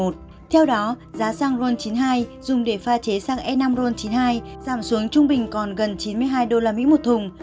theo đó giá xăng ron chín mươi hai dùng để pha chế xăng e năm ron chín mươi hai giảm xuống trung bình còn gần chín mươi hai usd một thùng